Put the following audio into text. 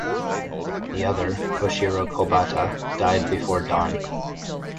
The other, Toshiro Kobata, died before dawn.